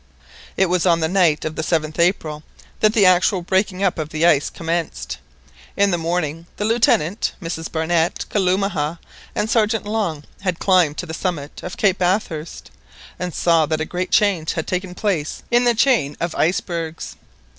It was on the night of the 7th April that the actual breaking up of the ice commenced. In the morning the Lieutenant, Mrs Barnett, Kalumah, and Sergeant Long, had climbed to the summit of Cape Bathurst, and saw that a great change had taken place in the chain of icebergs.